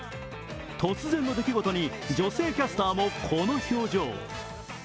突然の出来事に女性キャスターもこの表情。